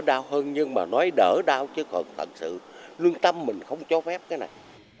đau hơn nhưng mà nói đỡ đau chứ còn thật sự lương tâm mình không cho phép cái này